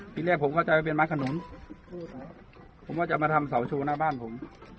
ทีแรกผมเข้าใจว่าเป็นไม้ขนุนผมก็จะมาทำเสาโชว์หน้าบ้านผม